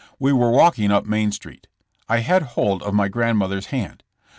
We were walking up Main street. I had hold of my grandmother's hand.